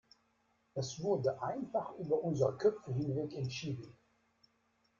Das wurde einfach über unsere Köpfe hinweg entschieden.